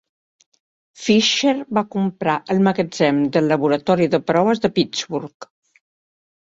Fisher va comprar el magatzem del Laboratori de Proves de Pittsburgh.